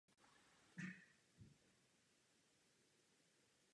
Byl jsem opravdu zklamán a zarmoucen.